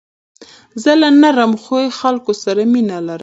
زه له نرم خوی خلکو سره مینه لرم.